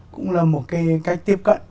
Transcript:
cũng là một cái cách tiếp cận